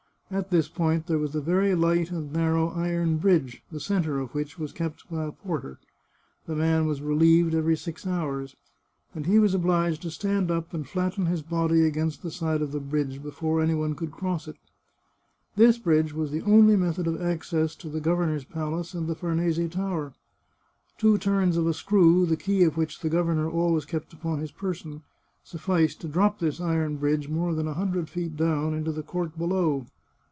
At this point there was a very light and narrow iron bridge, the centre of which was kept by a porter. The man was relieved every six hours, and he was obliged to stand up and flatten his body against the side of the bridge before any one could cross it. This bridge was the only method of access to the governor's palace and the Farnese Tower. Two turns of a screw, the key of which the governor always kept upon his person, sufficed to drop this iron bridge more than a hun dred feet down into the court below.